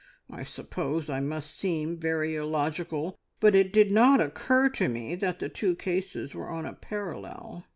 I suppose I must seem very illogical, but it did not occur to me that the two cases were on a parallel.